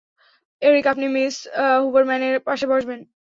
Eric, আপনি Miss হুবারম্যানের পাশে বসবেন।